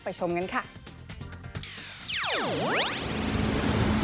ไปซ่าลอตเตอรี่ค่ะ